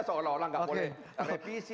seolah olah nggak boleh revisi